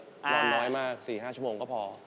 นอนน้อยมาก๔๕ชั่วโมงก็พอ